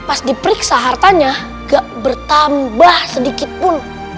pas diperiksa hartanya gak bertambah sedikitpun